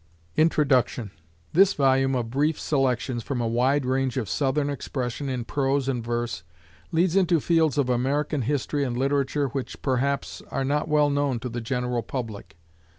Introduction This volume of brief selections from a wide range of Southern expression in prose and verse leads into fields of American history and literature which, perhaps, are not well known to the general public.